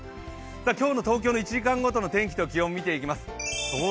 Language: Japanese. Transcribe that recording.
今日の東京の１時間ごとの天気と気温を見ていきます。